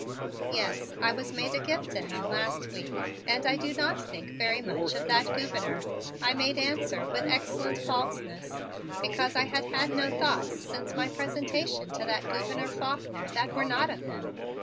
"Yes, I was made a gift to him last week, and I do not think very much of that Gouverneur," I made answer with excellent falseness, because I had had no thoughts since my presentation to that Gouverneur Faulkner that were not of him.